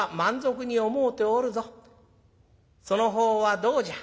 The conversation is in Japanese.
その方はどうじゃ？」。